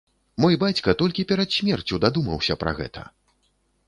Мой бацька толькі перад смерцю дадумаўся пра гэта!